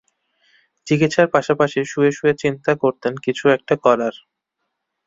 চিকিৎসার পাশাপাশি শুয়ে শুয়ে চিন্তা করতেন কিছু একটা করার।